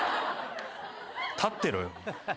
立ってろよ。